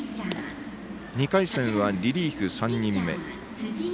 ２回戦は、リリーフ３人目。